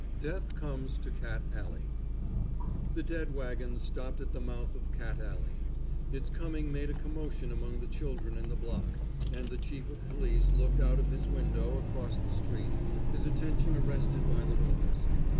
DEATH COMES TO CAT ALLEY The dead wagon stopped at the mouth of Cat Alley. Its coming made a commotion among the children in the block, and the Chief of Police looked out of his window across the street, his attention arrested by the noise.